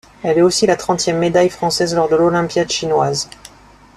Elle est aussi la trentième médaille française lors de l'Olympiade chinoise.